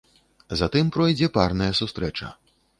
Затым пройдзе парная сустрэча.